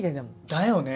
だよね。